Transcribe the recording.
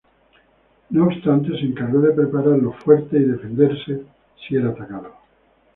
No obstante, se encargó de preparar los fuertes y defenderse si era atacado.